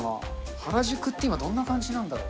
原宿って今、どんな感じなんだろう。